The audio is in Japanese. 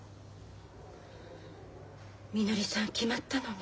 みのりさん決まったのね。